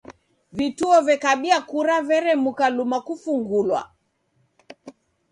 Viduo vekabia kura veremuka luma kufungulwa.